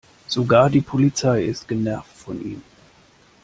Sogar die Polizei ist genervt von ihm.